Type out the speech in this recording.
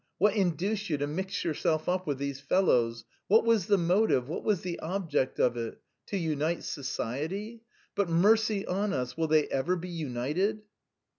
What induced you to mix yourself up with these fellows? What was the motive, what was the object of it? To unite society? But, mercy on us! will they ever be united?"